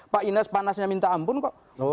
pak ines panasnya minta ampun kok